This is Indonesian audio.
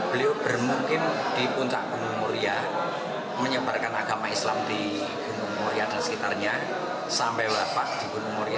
beliau bermungkin di puncak gunung muria menyebarkan agama islam di gunung muria dan sekitarnya sampai wafat di gunung muria